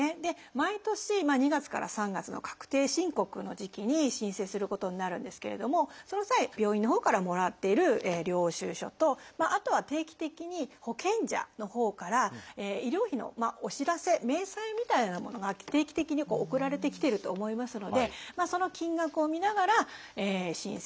毎年２月から３月の確定申告の時期に申請することになるんですけれどもその際病院のほうからもらっている領収書とあとは定期的に保険者のほうから医療費のお知らせ明細みたいなものが定期的に送られてきてると思いますのでその金額を見ながら申請をすると。